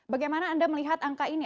bagaimana anda melihat angka ini